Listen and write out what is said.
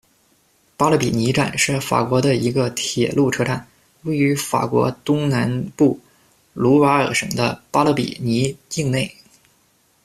巴勒比尼站，是法国的一个铁路车站，位于法国东南部卢瓦尔省的巴勒比尼境内。